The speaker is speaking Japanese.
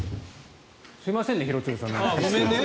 すいませんね廣津留さん。